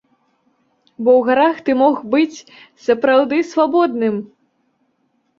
Бо ў гарах ты мог быць сапраўды свабодным.